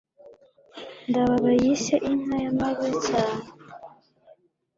ndabaga yise inka ya mariya cyane